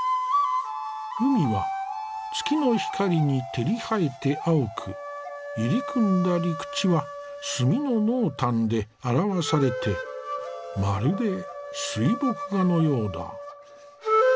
海は月の光に照り映えて青く入り組んだ陸地は墨の濃淡で表されてまるで水墨画のようだ。